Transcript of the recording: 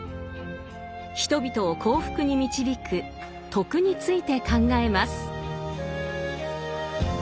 人々を幸福に導く「徳」について考えます。